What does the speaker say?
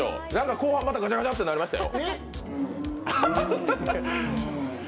後半、またガチャガチャとなりましたよ。